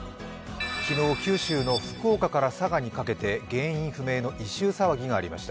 昨日、九州の福岡から佐賀にかけて原因不明の異臭騒ぎがありました。